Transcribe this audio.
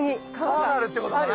川があるってことだな。